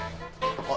あっ。